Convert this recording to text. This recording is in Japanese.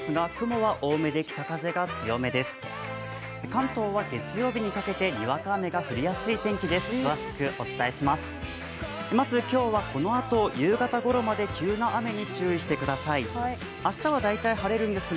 関東は月曜日にかけてにわか雨が降りやすい天気です。